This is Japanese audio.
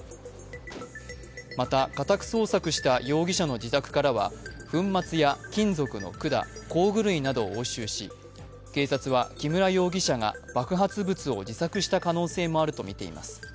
また、家宅捜索した容疑者の自宅からは粉末や金属の管、工具類などを応酬し警察は木村容疑者が爆発物を自作した可能性もあるとみています。